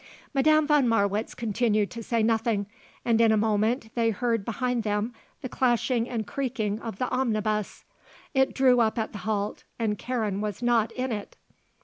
Madame von Marwitz continued to say nothing, and in a moment they heard behind them the clashing and creaking of the omnibus. It drew up at the halt and Karen was not in it.